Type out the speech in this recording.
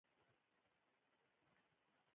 هوټلي په حيرانۍ ورته وکتل.